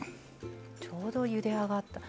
ちょうどゆで上がった。